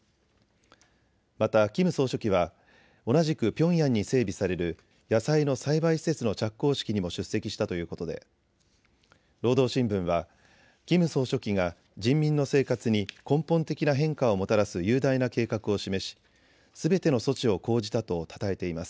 またキム総書記は同じくピョンヤンに整備される野菜の栽培施設の着工式にも出席したということで労働新聞は、キム総書記が人民の生活に根本的な変化をもたらす雄大な計画を示し、すべての措置を講じたとたたえています。